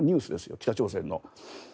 北朝鮮の。